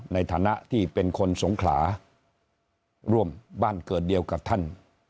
ในฐานะที่เป็นคนสงขลาร่วมบ้านเกิดเดียวกับท่าน